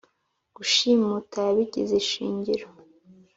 Gushimuta yabigize ishingiro